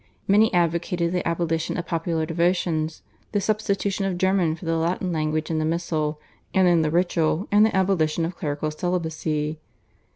Many advocated the abolition of popular devotions, the substitution of German for the Latin language in the missal and in the ritual, and the abolition of clerical celibacy.